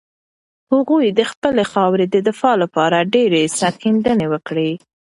هغوی د خپلې خاورې د دفاع لپاره ډېرې سرښندنې وکړې.